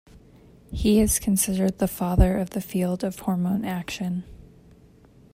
He is considered the father of the field of hormone action.